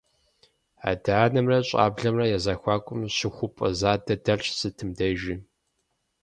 Адэ-анэмрэ щӀэблэмрэ я зэхуакум щыхупӀэ задэ дэлъщ сытым дежи.